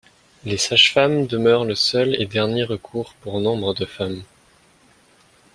Les sages-femmes demeurent le seul et dernier recours pour nombre de femmes.